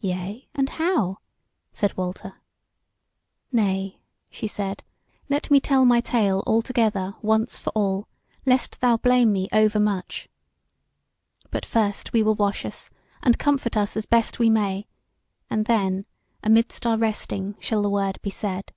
"Yea, and how?" said Walter. "Nay," she said, "let me tell my tale all together once for all, lest thou blame me overmuch. But first we will wash us and comfort us as best we may, and then amidst our resting shall the word be said."